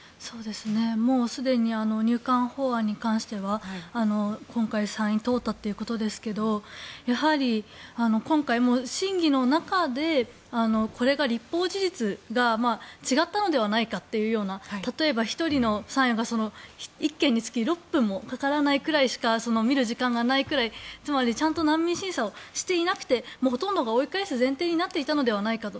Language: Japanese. もうすでに入管法案に関しては今回、参院を通ったということですがやはり今回、審議の中でこれが立法事実が違ったのではないかというような例えば、１人の参与が１件につき６分もかからないくらいしか見る時間がないくらいつまりちゃんと難民審査をしていなくてほとんどが追い返す前提になっていたのではないかと。